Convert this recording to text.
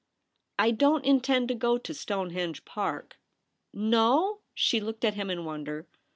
' I don't intend to go to Stonehenge Park.' ' No !' she looked at him in wonder.